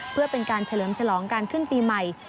เพื่อเป็นการเฉลิมฉลองการขึ้นปีใหม่